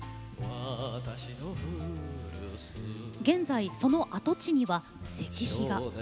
現在、その跡地には石碑が。